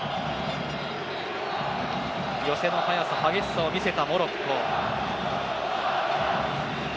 寄せの速さ、激しさを見せたモロッコ。